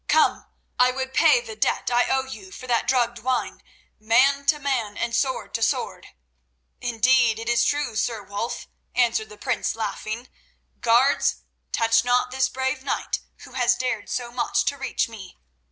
Come, I would pay the debt I owe you for that drugged wine, man to man and sword to sword." "Indeed, it is due, Sir Wulf," answered the prince, laughing. "Guards, touch not this brave knight who has dared so much to reach me.